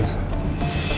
udah usah ngelanjut